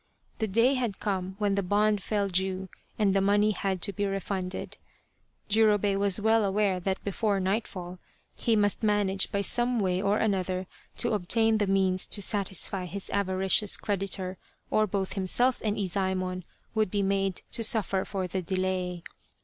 The day had come when the bond fell due and the money had to be refunded. Jurobei was well aware that before nightfall he must manage by some way or another to obtain the means to satisfy his avaricious creditor or both himself and Izsemon would be made to suffer for the delay.